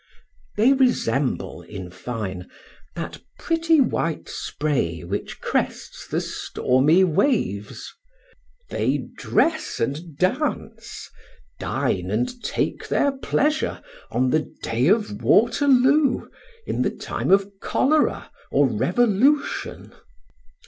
They resemble, in fine, that pretty white spray which crests the stormy waves. They dress and dance, dine and take their pleasure, on the day of Waterloo, in the time of cholera or revolution.